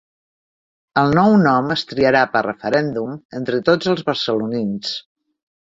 El nou nom es triarà per referèndum entre tots els barcelonins